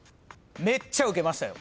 めっちゃウケましたよ。